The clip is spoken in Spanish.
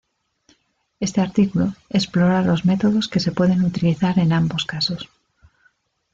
Este artículo explora los métodos que se pueden utilizar en ambos casos